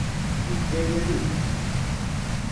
I què hi ha dit?